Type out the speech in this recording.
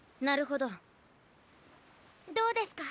どうですか？